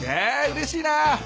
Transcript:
えうれしいな。